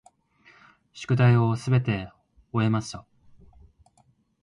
宿題をすべて終えました。